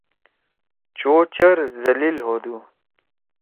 چو چیر ذلیل ہودُو۔